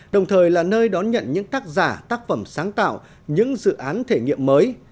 đồng thời là nơi đón nhận những tác giả tác phẩm sáng tạo những dự án thể nghiệm mới